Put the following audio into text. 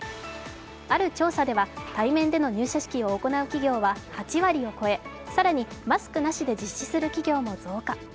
ある調査では、対面での入社式を行う企業は８割を超え更に、マスクなしで実施する企業も増加。